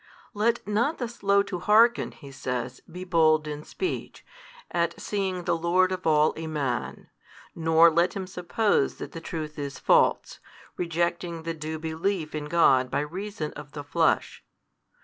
Let not the slow to hearken (he says) be bold in speech, at seeing the Lord of all a Man, nor let him suppose that the Truth is false, rejecting the due belief in God by reason of the Flesh.